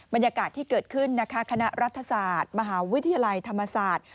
บรรยากาศที่เกิดขึ้นนะคะคณะรัฐศาสตร์มหาวิทยาลัยธรรมศาสตร์